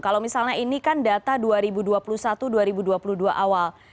kalau misalnya ini kan data dua ribu dua puluh satu dua ribu dua puluh dua awal